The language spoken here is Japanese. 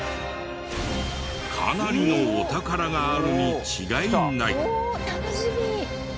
かなりのお宝があるに違いない！